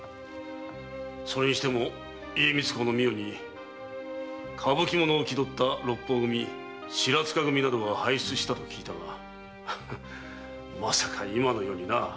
それにしても家光公の御代に歌舞伎者を気取った六方組や白柄組などを輩出したと聞いたがまさか今の世にな。